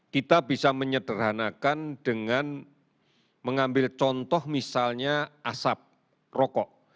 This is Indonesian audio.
kita bisa menyederhanakan dengan mengambil contoh misalnya asap rokok